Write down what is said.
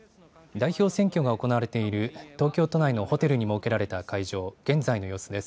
代表選挙が行われている東京都内のホテルに設けられた会場、現在の様子です。